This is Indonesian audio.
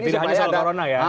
tidak hanya soal corona ya